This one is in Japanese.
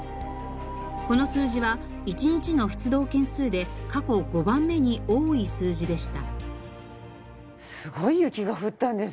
この数字は一日の出動件数で過去５番目に多い数字でした。